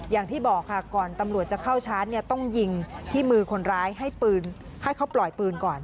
อย่างที่บอกค่ะก่อนตำรวจจะเข้าชาร์จเนี่ยต้องยิงที่มือคนร้ายให้ปืนให้เขาปล่อยปืนก่อน